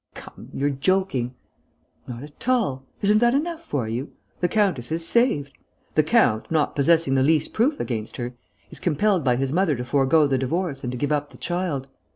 "Come ... you're joking ..." "Not at all. Isn't that enough for you? The countess is saved. The count, not possessing the least proof against her, is compelled by his mother to forego the divorce and to give up the child.